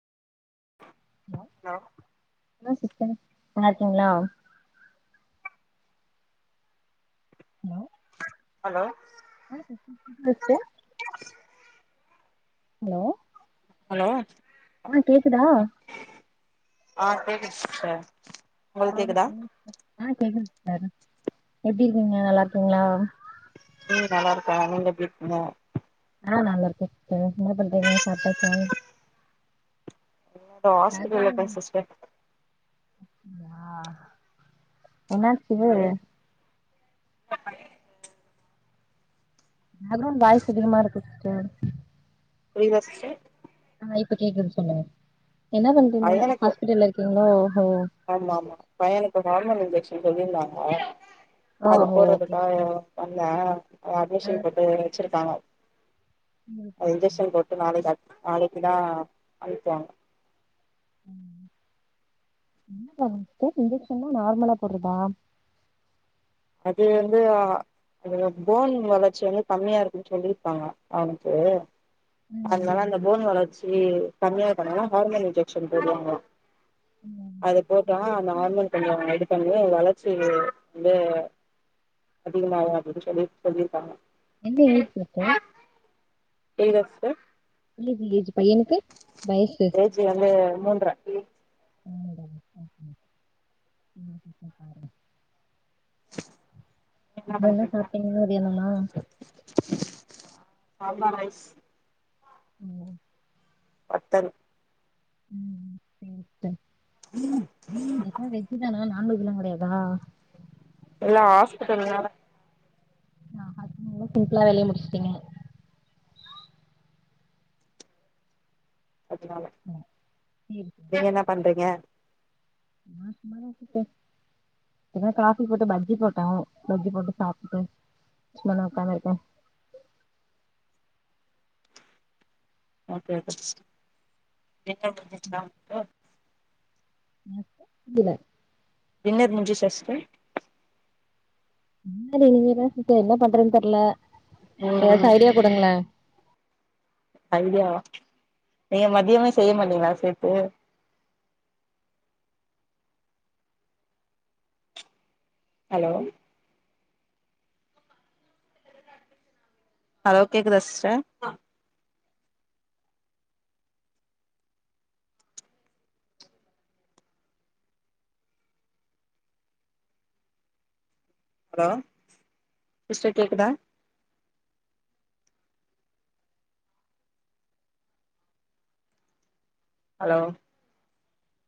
Hello hello sister நல்லா இருக்கீங்களா hello hello [inaudible] hello hello ஆ கேக்குதா ஆ கேக்குது சிஸ்டர் ஆ உங்ளுக்கு கேக்குதா சொல்லு ஆ கேக்குது சிஸ்டர் எப்டி இருக்கீங்க நல்லா இருக்கீங்ளா ம் நல்லா இருக்கே நீங்க எப்டி இருக்கீங்க ஆ நல்லாருக்கே சிஸ்டர் என்ன பண்றீங்க சாப்டாச்சா என்னோட [unintelligible] ஹாஸ்பிட்டல்ல இருக்கே சிஸ்டர் ஆ என்னாச்சு அ பேக் ரவுண்ட் வாய்ஸ் அதிகமா இருக்கு சிஸ்டர் புரியுதா சிஸ்டர் ஆ இப்ப கேக்குது சொல்லுங்க என்ன பண்றீங்க பையனுக்கு ஹாஸ்பிட்ல்ல இருக்கீங்ளோ ஹோ ஆமா ஆமா பையனுக்கு வார்மல் இன்ஜெக்ஷன் சொல்லியிருந்தாங்க அது ஓஹோ ஓகே போட்றதுக்காக சிஸ்டர் வந்தே ஆ அட்மிஷன் போட்டு வச்சிருக்காங்க இன்ஜெக்ஷன் போட்டு நாளைக்கு அட் நாளைக்குதா அனுப்புவாங்க [unintelligible] இன்ஜெக்ஷன் ன்னா நார்மலா போட்றதா அது வந்து போன் வளர்ச்சி வந்து கம்மியா இருக்குன்னு சொல்லியிருப்பாங்க அவனுக்கு ம் அதனால அந்த போன் வளர்ச்சி கம்மியா பண்ணான்னா ஹார்மோன் இன்ஜெக்ஷன் போடுவாங்லா ம் அது போட்டோனா ம். நார்மல் கொஞ்சோ இது பண்ணி வளர்ச்சி வந்து அதிகமாவு அப்டின்னு சொல்லி சொல்லிருக்காங்க என்ன ஏஜ் சிஸ்டர் கேக்குதா சிஸ்டர் ஏஜ் ஏஜ் பையனுக்கு வயசு ஏஜ் வந்து மூன்ற மூன்றையா ஓகே சிஸ்டர் [unintelligible] பாருங்க என்ன பண்றீங்க சாப்ட்டீங்க மதியானம்லா சாப்பாடு ம் பத்தல் ம் சரி சிஸ்டர் ம் எல்லா வெஜ்ஜூதானா நான்வெஜ் கெடையாதா எல்லா ஹாஸ்பிட்டல்ல வேற அ அதுக்குனு சிம்ப்ளா வேலைய முடிச்ட்டீங்க அதுனால சேரி சேரி நீங்க என்ன பண்றீங்க நா சும்மாதா சிஸ்டர் இப்பதா காஃபி போட்டு பஜ்ஜி போட்டோ பஜ்ஜி போட்டு சாப்ட்டோ சும்மாதா உக்காந்ருக்கோ ஓகே ஓகேசிஸ்டர் டின்னர் முடிஞ்சுடுச்சா உங்ளுக்கு என்ன சிஸ்டர் புரியல டின்னர் முட்ஞ்சுச்சா சிஸ்டர் இல்ல சிஸ்டர் இனிமேதா சிஸ்டர் என்ன பண்றதுண் தெர்ல்ல ஏதாச்சு ம் ஐடியா குடுங்களே ஐடியாவா நீங்க மதியமே செய்ய மாட்டீங்ளா சேத்து ஹலோ ஹலோ கேக்குதா சிஸ்டர் ஹலோ சிஸ்டர் கேக்குதா ஹலோ